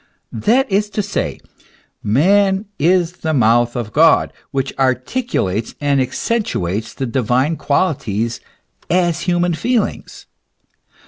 That is to say, man is the mouth of God, which articulates and accentuates the divine qualities as human feelings.